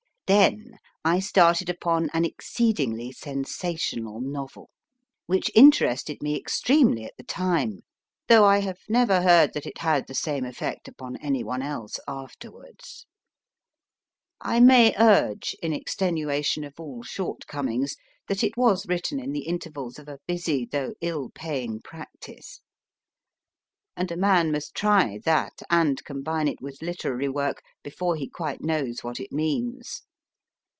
Then I started upon an exceedingly sensational novel, which interested me extremely at the time, though I have never heard that it had the same effect upon anyone else afterwards. I may urge in extenuation of all shortcomings that it was written in the intervals of a busy though ill paying practice. And a man must try that and combine it with literary work before he quite knows what it means.